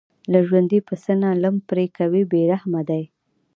له ژوندي پسه نه لم پرې کوي بې رحمه دي.